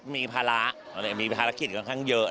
มีภาระคิดอยู่ค่อนข้างเยอะ